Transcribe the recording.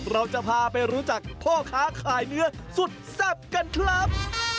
เราจะพาไปรู้จักพ่อค้าขายเนื้อสุดแซ่บกันครับ